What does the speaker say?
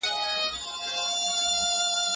دا قلم له هغه ښه دی.